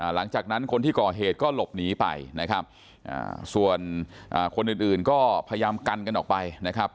หลังจากที่ก่อเหตุก็หลบหนีไปนะครับส่วนคนอื่นก็พยายามกันกันออกไปนะครับ